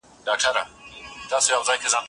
آیا موږ پر خپل رفتار د اغېزمنو قوتونو خبر یو؟